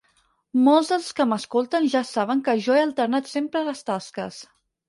Molts dels que m'escolten ja saben que jo he alternat sempre les tasques.